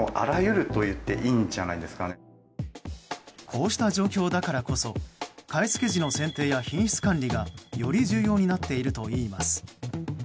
こうした状況だからこそ買い付け時の選定や品質管理がより重要になっているといいます。